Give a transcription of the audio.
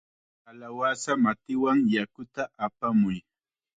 ¡Kalawasa matiwan yakuta apamuy!